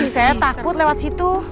saya takut lewat situ